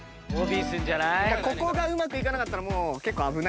ここうまくいかなかったら結構危ないです